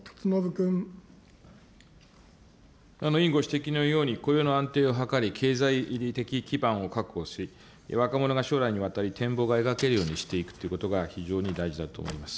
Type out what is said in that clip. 委員ご指摘のように、雇用の安定を図り、経済的基盤を確保し、若者が将来にわたり展望が描けるようにしていくということが非常に大事だと思います。